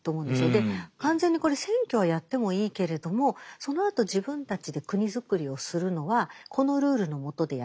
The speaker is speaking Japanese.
で完全にこれ選挙はやってもいいけれどもそのあと自分たちで国づくりをするのはこのルールのもとでやってね。